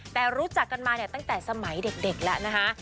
แต่รู้จักกันมาเนี่ยตั้งแต่สมัยเด็กแล้วนะคะ